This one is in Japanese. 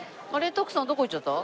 徳さんどこ行っちゃった？